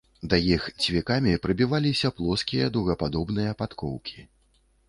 Да іх цвікамі прыбіваліся плоскія дугападобныя падкоўкі.